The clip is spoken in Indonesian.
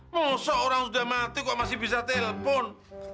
musuh orang sudah mati kok masih bisa telepon